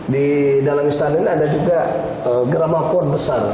di dalam istana ini ada juga drama pon besar